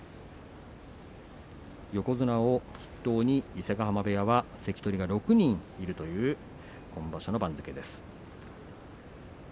横綱を筆頭に伊勢ヶ濱部屋は関取が６人いるという今場所の番付です。